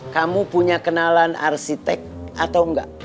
kamu punya kenalan arsitek atau enggak